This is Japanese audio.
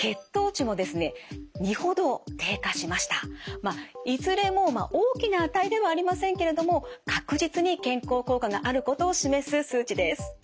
まあいずれも大きな値ではありませんけれども確実に健康効果があることを示す数値です。